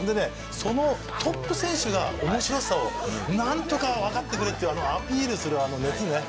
そのトップ選手が面白さをなんとか分かってくれってアピールするあの熱ね